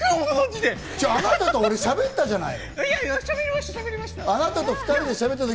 あなたと俺、しゃべったじゃない？